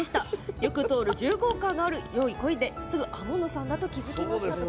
よく通る重厚感のあるよい声ですぐに天野さんだと気付きました。